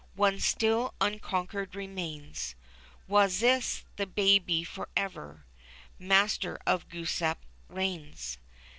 One still unconquered remains, Wasis, the Baby, forever Master of Glooskap reigns."